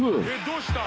どうした？